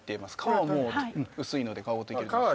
皮はもう薄いので皮ごといけると思います